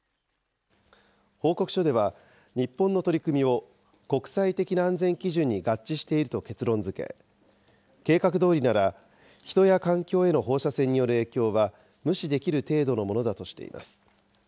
報告書では、日本の取り組みを国際的な安全基準に合致していると結論づけ、計画どおりなら、人や環境への放射線による影響は無視できる程度のものだとしています。